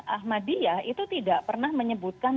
ahmadiyah itu tidak pernah menyebutkan